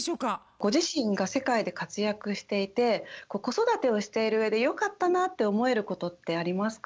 ご自身が世界で活躍していて子育てをしているうえでよかったなって思えることってありますか？